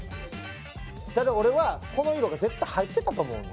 だって俺はこの色が絶対入ってたと思うの。